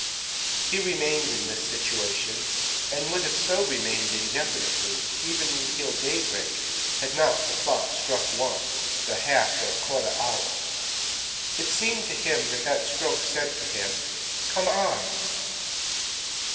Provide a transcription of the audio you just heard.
He remained in this situation, and would have so remained indefinitely, even until daybreak, had not the clock struck one—the half or quarter hour. It seemed to him that that stroke said to him, "Come on!"